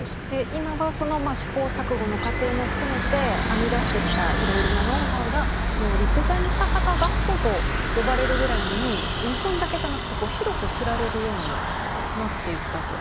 今はその試行錯誤の過程も含めて編み出してきたいろいろなノウハウがその陸前高田学校と呼ばれるぐらいに日本だけじゃなくて広く知られるようになっていったと？